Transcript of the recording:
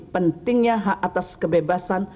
pentingnya hak atas kebebasan